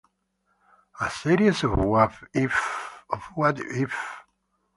A series of What If?